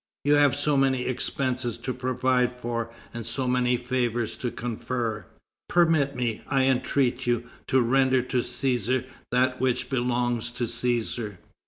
You have so many expenses to provide for, and so many favors to confer. Permit me, I entreat you, to render to Cæsar that which belongs to Cæsar."